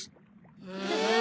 へえ。